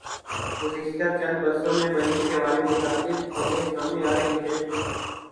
گزشتہ چند بر سوں میں مریخ کے حوالے متعدد خبریں سامنے آرہی ہیں